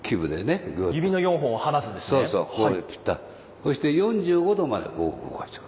そして４５度までこう動かしてくる。